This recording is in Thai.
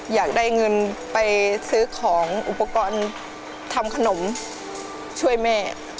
อยากได้เงินไปซื้อของอุปกรณ์ทำขนมช่วยแม่